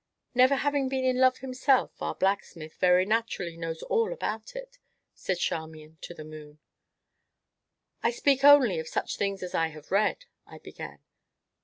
"Never having been in love himself, our blacksmith, very naturally, knows all about it!" said Charmian to the moon. "I speak only of such things as I have read " I began.